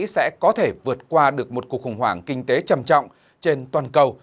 sẽ có thể vượt qua được một cuộc khủng hoảng kinh tế trầm trọng trên toàn cầu